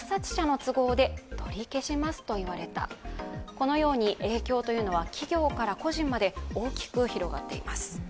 このように影響は企業から個人まで大きく広がっています。